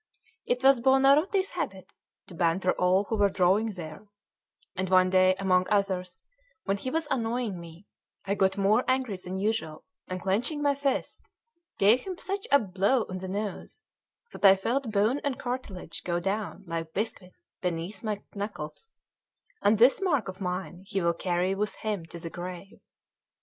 It was Buonarroti's habit to banter all who were drawing there; and one day, among others, when he was annoying me, I got more angry than usual, and clenching my fist, gave him such a blow on the nose, that I felt bone and cartilage go down like biscuit beneath my knuckles; and this mark of mine he will carry with him to the grave."